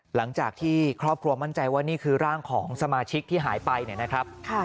หลังจากที่ครอบครัวมั่นใจว่านี่คือร่างของสมาชิกที่หายไปเนี่ยนะครับ